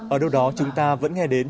ở đâu đó chúng ta vẫn nghe đến